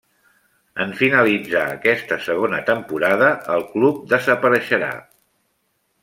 En finalitzar aquesta segona temporada el club desapareixerà.